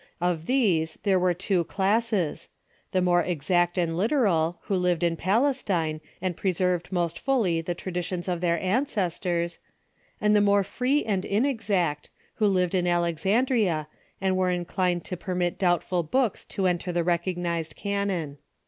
Of these there were two classes Canon — the more exact and literal, who lived in Pales tine, and preserved most fully the traditions of their ancestors; and the more free and inexact, Avho lived in Alexandria, and were inclined to permit doubtful books to enter the recognized canon.